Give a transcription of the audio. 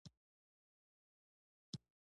هغه به دا سندره شاوخوا دوه ساعته اورېده